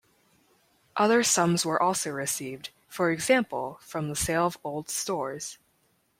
Other sums were also received, for example from the sale of old stores.